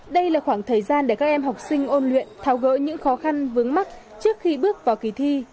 đây là khoảng thời gian để các em học sinh ôn luyện tháo gỡ những khó khăn vướng mắt trước khi bước vào kỳ thi